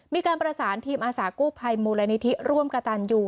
มีการประสานทีมอาสากู้ภัยมูลนิธิร่วมกระตันยู